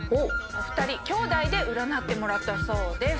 お二人兄弟で占ってもらったそうです。